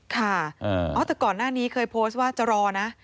ค่ะอ๋อแต่ก่อนหน้านี้เคยโพสต์ว่าจะรอนะ